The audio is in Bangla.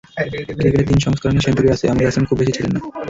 ক্রিকেটের তিন সংস্করণেই সেঞ্চুরি আছে, এমন ব্যাটসম্যান খুব বেশি ছিলেন না।